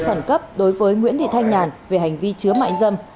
người phẩn cấp đối với nguyễn thị thanh nhản về hành vi chứa mại dâm